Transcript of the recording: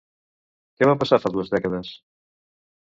Què va passar fa dues dècades?